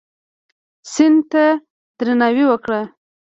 سیند ته درناوی وکړه.